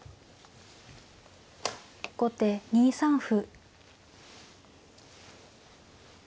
後手２三歩。